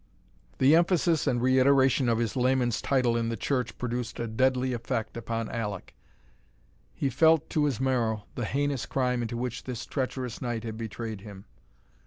The emphasis and reiteration of his layman's title in the church produced a deadly effect upon Alek. He felt to his marrow the heinous crime into which this treacherous night had betrayed him.